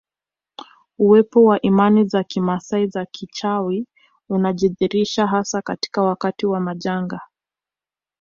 Uwepo wa imani za kimaasai za kichawi unajidhihirisha hasa katika wakati wa majanga